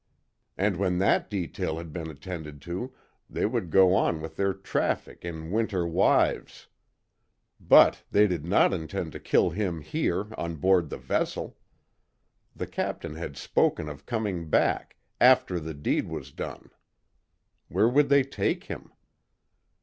And, when that detail had been attended to, they would go on with their traffic in "winter wives." But, they did not intend to kill him here on board the vessel. The Captain had spoken of coming back, after the deed was done. Where would they take him?